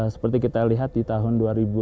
seperti kita lihat di tahun dua ribu lima belas